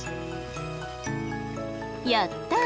やった！